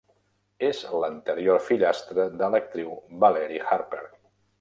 És l'anterior fillastra de l'actriu Valerie Harper.